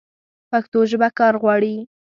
پښتو ژبه کار غواړي.